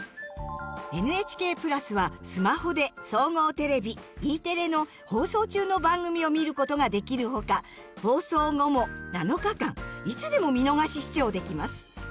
ＮＨＫ＋はスマホで総合テレビＥテレの放送中の番組を見ることができるほか放送後も７日間いつでも見逃し視聴できます。